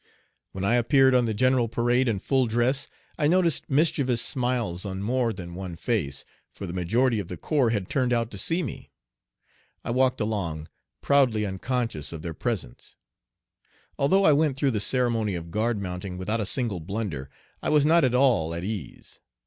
When I appeared on the general parade in full dress, I noticed mischievous smiles on more than one face, for the majority of the corps had turned out to see me. I walked along, proudly unconscious of their presence. Although I went through the ceremony of guard mounting without a single blunder, I was not at all at ease.